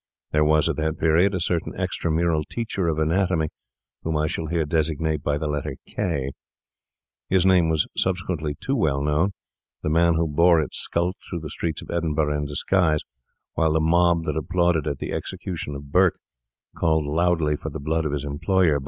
There was, at that period, a certain extramural teacher of anatomy, whom I shall here designate by the letter K. His name was subsequently too well known. The man who bore it skulked through the streets of Edinburgh in disguise, while the mob that applauded at the execution of Burke called loudly for the blood of his employer.